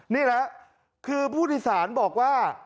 นี่แหละคือผู้โดยสารบอกว่า